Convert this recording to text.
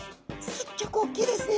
すっギョくおっきいですね。